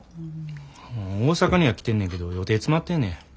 大阪には来てんねんけど予定詰まってんねん。